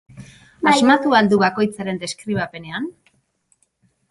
Asmatu al du bakoitzaren deskribapenean?